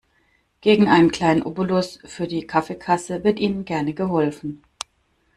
Gegen einen kleinen Obolus für die Kaffeekasse wird Ihnen gerne geholfen.